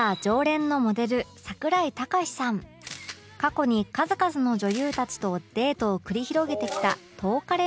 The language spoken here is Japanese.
過去に数々の女優たちとデートを繰り広げてきた『東カレ』